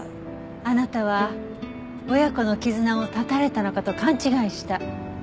あなたは親子の絆を断たれたのかと勘違いした。